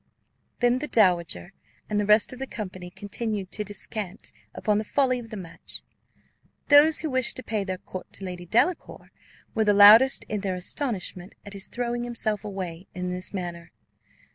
Then the dowager and the rest of the company continued to descant upon the folly of the match. Those who wished to pay their court to Lady Delacour were the loudest in their astonishment at his throwing himself away in this manner.